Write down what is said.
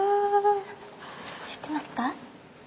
知ってますか？